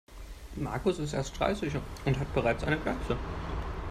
Markus ist erst dreißig und hat bereits eine Glatze.